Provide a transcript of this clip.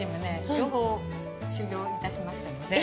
両方、修業いたしましたので。